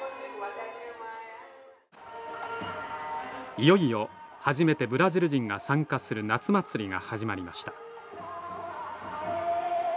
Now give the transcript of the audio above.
いよいよ初めてブラジル人が参加する夏祭りが始まりました